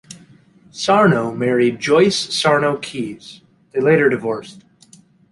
Sarno married Joyce Sarno Keys; they later divorced.